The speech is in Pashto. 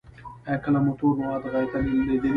ایا کله مو تور مواد غایطه لیدلي؟